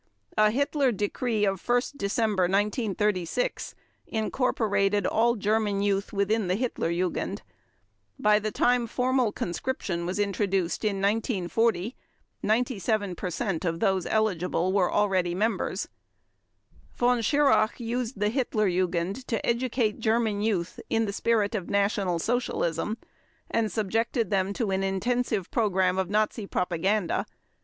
A Hitler decree of 1 December 1936 incorporated all German youth within the Hitler Jugend. By the time formal conscription was introduced in 1940, 97 percent of those eligible were already members. Von Schirach used the Hitler Jugend to educate German Youth "in the spirit of National Socialism" and subjected them to an intensive program of Nazi propaganda.